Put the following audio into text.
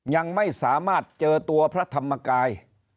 ยังไม่สามารถเจอตัวพระธรรมกาย